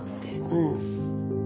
うん。